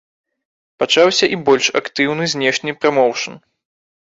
Пачаўся і больш актыўны знешні прамоўшн.